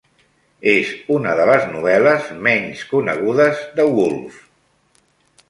És una de les novel·les menys conegudes de Woolf.